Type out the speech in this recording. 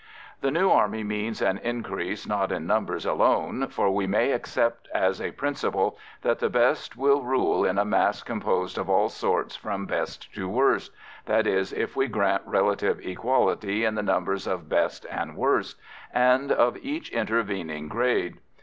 The new army means an increase not in numbers alone, for we may accept as a principle that the best will rule in a mass composed of all sorts from best to worst that is, if we grant relative equality in the numbers of best and worst, and of each intervening grade.